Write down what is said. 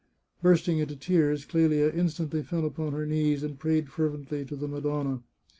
Bursting into tears, Clelia instantly fell upon her knees, and prayed fervently to the Madonna.